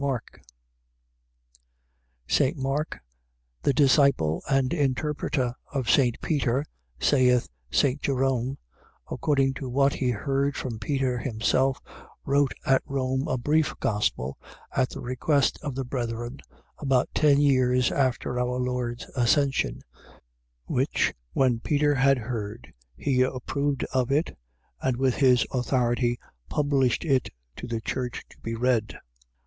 MARK St. Mark, the disciple and interpreter of St. Peter (saith St. Jerome), according to what he heard from Peter himself, wrote at Rome a brief Gospel at the request of the Brethren, about ten years after our lord's Ascension; which when Peter had heard, he approved of it and with his authority published it to the church to be read.